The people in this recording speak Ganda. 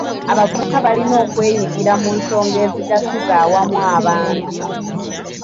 Abavubuka balina okwenyigira mu nsonga ezigasiza awamu abantu.